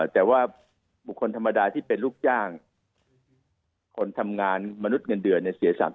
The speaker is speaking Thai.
แต่ว่าบุคคลธรรมดาที่เป็นลูกจ้างคนทำงานมนุษย์เงินเดือนเนี่ยเสีย๓๐